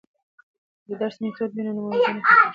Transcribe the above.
که درسي میتود وي نو موضوع نه پټیږي.